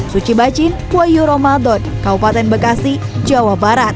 suci bacin wayo romadot kabupaten bekasi jawa barat